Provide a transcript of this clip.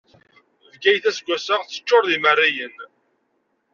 Bgayet, aseggas-a teččur d imerriyen.